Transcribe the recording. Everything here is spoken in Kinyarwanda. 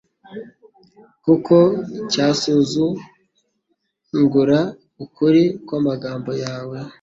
kuko cyasuzugura ukuri kw’amagambo yawe